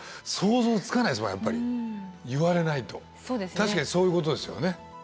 確かにそういうことですよね。